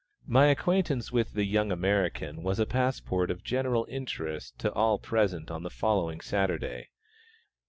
My acquaintance with the young American was a passport of general interest to all present on the following Saturday.